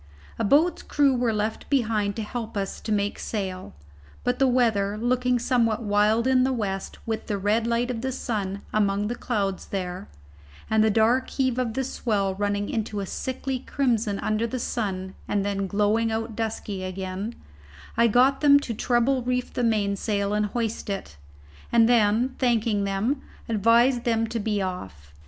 A boat's crew were left behind to help us to make sail. But the weather looking somewhat wild in the west with the red light of the sun among the clouds there, and the dark heave of the swell running into a sickly crimson under the sun and then glowing out dusky again, I got them to treble reef the mainsail and hoist it, and then thanking them, advised them to be off.